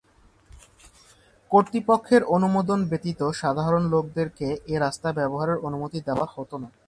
কর্তৃপক্ষের অনুমোদন ব্যতীত সাধারণ লোকদেরকে এ রাস্তা ব্যবহারের অনুমতি দেয়া হতো না।